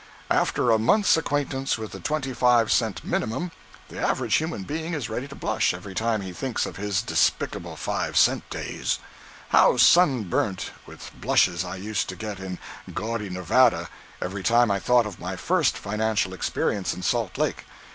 After a month's acquaintance with the twenty five cent minimum, the average human being is ready to blush every time he thinks of his despicable five cent days. How sunburnt with blushes I used to get in gaudy Nevada, every time I thought of my first financial experience in Salt Lake.